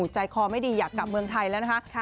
ใจคอไม่ดีอยากกลับเมืองไทยแล้วนะคะ